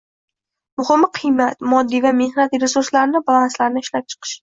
muhim qiymat, moddiy va mehnat resurslari balanslarini ishlab chiqish